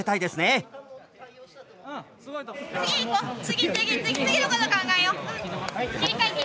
次のこと考えよう。